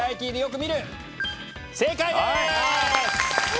正解です。